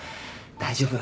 大丈夫。